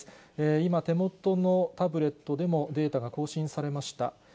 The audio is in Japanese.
今、手元のタブレットでもデータが更新されました。